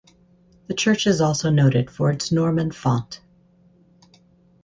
The church is also noted for its Norman font.